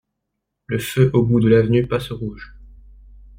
Le feu au bout de l’avenue passe au rouge.